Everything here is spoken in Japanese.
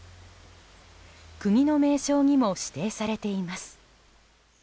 国の名勝にも指定されています。